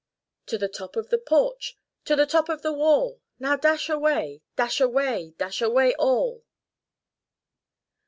To the top of the porch, to the top of the wall! Now dash away! dash away, dash away all!